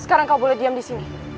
sekarang kau boleh diam disini